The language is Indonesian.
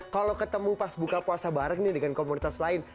kalau ketemu pas buka puasa bareng nih dengan komunitas lain